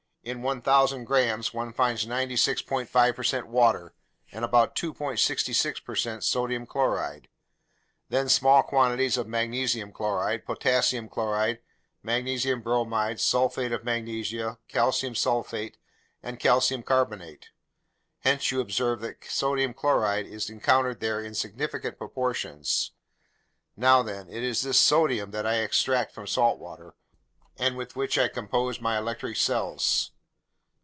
In 1,000 grams one finds 96.5% water and about 2.66% sodium chloride; then small quantities of magnesium chloride, potassium chloride, magnesium bromide, sulfate of magnesia, calcium sulfate, and calcium carbonate. Hence you observe that sodium chloride is encountered there in significant proportions. Now then, it's this sodium that I extract from salt water and with which I compose my electric cells."